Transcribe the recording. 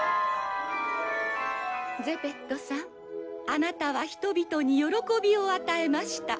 ゼペットさん、あなたは人々に喜びを与えました。